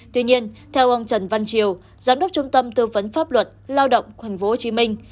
tuy nhiên theo ông trần văn triều giám đốc trung tâm tư vấn pháp luật lao động của hành phố hồ chí minh